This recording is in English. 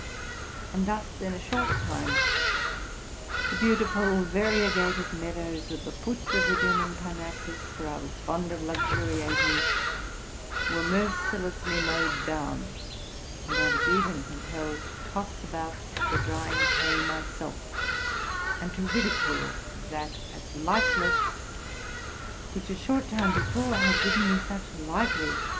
And thus, in a short time, the beautiful variegated meadows ut the foot of the German Parnassus, where I was fond of luxuriating, were mercilessly mowed down; and I was even compelled to toss about the drying hay myself, and to ridi cule that as lifeless which, a short time before, had given me such lively joy.